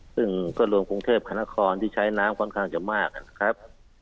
ซึ่งก็รวมกรุงเทพคณะครที่ใช้น้ำค่อนข้างจะมากนะครับ